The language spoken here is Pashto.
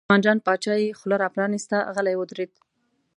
په عثمان جان باچا یې خوله را پرانسته، غلی ودرېد.